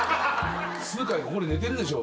つうかここで寝てるでしょ？